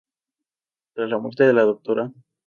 Tras la muerte de la Dra.